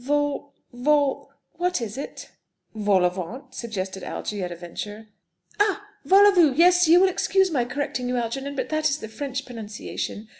Vo vo What is it?" "Vol au vent?" suggested Algy, at a venture. "Ah! vol o voo. Yes; you will excuse my correcting you, Algernon, but that is the French pronunciation.